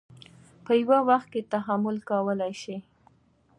په یوه وخت کې تحمل کولی شي.